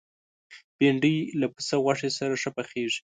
بېنډۍ له پسه غوښې سره ښه پخېږي